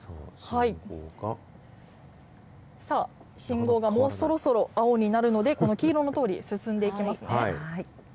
さあ、信号がもうそろそろ青になるので、この黄色のとおり進んでいきますね。